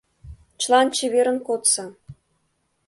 Чылан чеверын кодса!